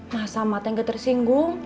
masa mata nggak tersinggung